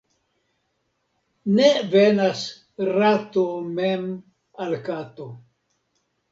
Ne venas rato mem al kato.